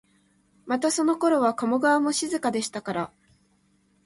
またそのころは加茂川も静かでしたから、